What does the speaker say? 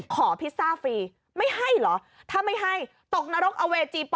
ขอพิซซ่าฟรีไม่ให้หรอถ้าไม่ให้ตกนรกเอาเวจกย์ปล่อยเปรด